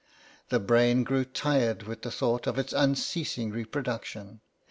The brain grew tired with the thought of its unceasing reproduction.